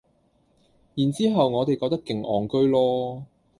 然之後我哋覺得勁戇居囉